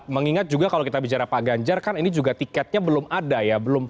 mengingat juga kalau kita bicara pak ganjar kan ini juga tiketnya belum ada ya